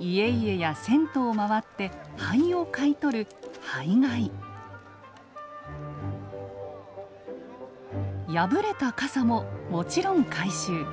家々や銭湯を回って灰を買い取る破れた傘ももちろん回収。